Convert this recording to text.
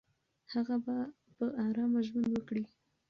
هغه به په آرامه ژوند وکړي.